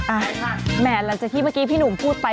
อ่าค่ะแหมหลังจากที่เมื่อกี้พี่หนุ่มพูดไป